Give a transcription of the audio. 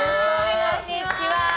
こんにちは！